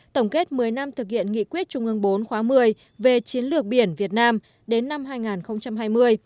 tại hội nghị quyết chung mương bốn khóa một mươi về chiến lược biển việt nam đến năm hai nghìn hai mươi